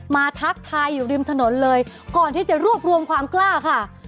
ทักทายอยู่ริมถนนเลยก่อนที่จะรวบรวมความกล้าค่ะ